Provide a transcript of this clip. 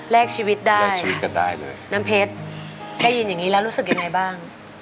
ชีวิตได้แลกชีวิตกันได้เลยน้ำเพชรได้ยินอย่างงี้แล้วรู้สึกยังไงบ้าง